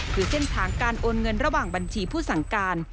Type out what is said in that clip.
คือเส้นทางการโอนเงินระหว่างบัญชีผู้สั่งการ